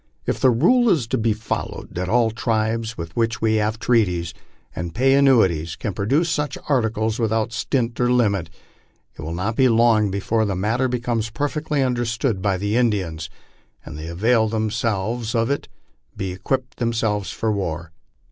If the rule is to be followed that all tribes with which we Dave treaties, and pay annuities, can procure such articles without stint or limit, it will not be long before the matter becomes perfectly understood by the Indians, and they avail themselves of it to LIFE ON THE PLAINS. 119 equip themselves for war.